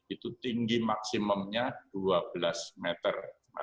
itu tinggi maksimumnya dua belas meter